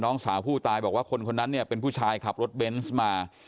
น้องสาวผู้ตายบอกว่าคนคนนั้นเนี่ยเป็นผู้ชายขับรถเบนส์มา